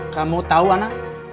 kamu tahu anak